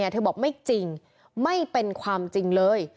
เธอบอกไม่จริงไม่เป็นความจริงเลย